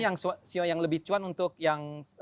yang sio yang lebih cuan untuk yang